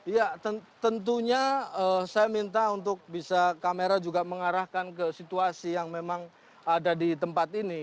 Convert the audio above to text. ya tentunya saya minta untuk bisa kamera juga mengarahkan ke situasi yang memang ada di tempat ini